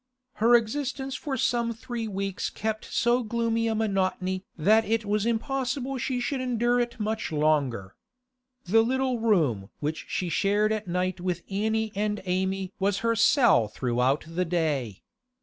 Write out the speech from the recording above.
Her existence for some three weeks kept so gloomy a monotony that it was impossible she should endure it much longer. The little room which she shared at night with Annie and Amy was her cell throughout the day.